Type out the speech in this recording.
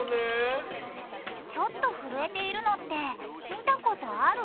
ちょっとふるえているのって見たことある？